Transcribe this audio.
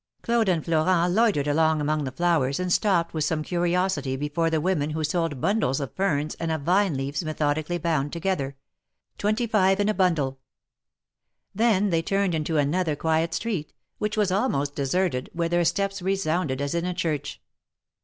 Claude and Florent loitered along among the flowers, and stopped with some curiosity before the women who sold bundles of ferns and of vine leaves^ methodically bound together — twenty five in a bundle. Then they 3 46 THE MARKETS OF PARIS. turned into another quiet street, which was almost deserted, where their steps resounded as in a church.